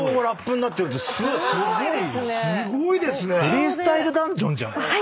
『フリースタイルダンジョン』じゃん！